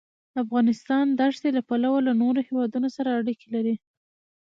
افغانستان د ښتې له پلوه له نورو هېوادونو سره اړیکې لري.